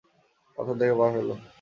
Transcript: পাথর দেখে পা ফেল।